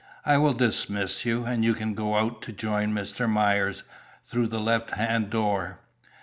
I will dismiss you, and you can go out to join Mr. Myers, through the left hand door."